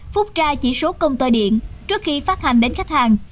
phúc tra chỉ số công tơ điện trước khi phát hành đến khách hàng